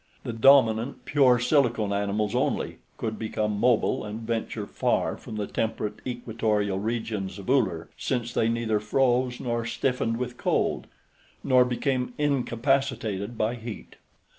The dominant pure silicone animals only could become mobile and venture far from the temperate equatorial regions of Uller, since they neither froze nor stiffened with cold, nor became incapacitated by heat.